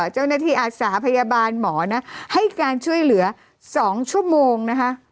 เจ้าหน้าที่อาสาพยาบาลหมอนะให้การช่วยเหลือ๒ชั่วโมงนะคะ